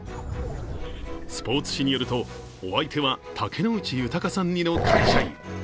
スポーツ紙によると、お相手は竹野内豊さん似の会社員。